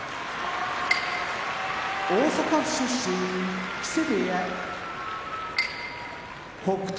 大阪府出身木瀬部屋北勝